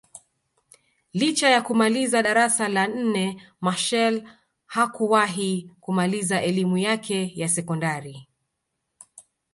Licha ya kumaliza darasa la nne Machel hakuwahi kumaliza elimu yake ya sekondari